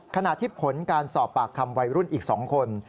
ขณะที่ผลการสอบปากคำวัยรุ่นอีก๒คน